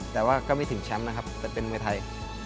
แต่ว่าก็ไม่ถึงแชมป์นะครับแต่เป็นมวยไทย